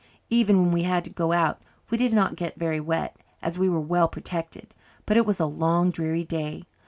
Even when we had to go out we did not get very wet, as we were well protected. But it was a long dreary day.